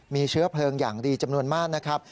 มีเชื้อเพลิงอย่างดีจำนวนมากนะครับ